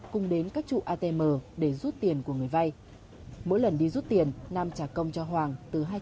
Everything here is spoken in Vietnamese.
cùng đến các trụ atm để rút tiền của ngân hàng